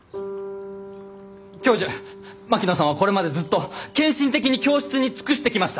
教授槙野さんはこれまでずっと献身的に教室に尽くしてきました！